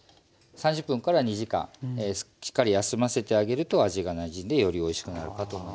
３０分２時間しっかり休ませてあげると味がなじんでよりおいしくなるかと思います。